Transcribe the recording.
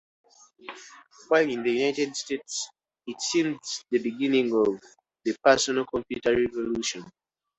While in the United States, it seems the beginning of the personal computer revolution.